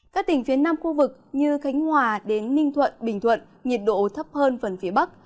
các tỉnh phía nam khu vực như khánh hòa đến ninh thuận bình thuận nhiệt độ thấp hơn phần phía bắc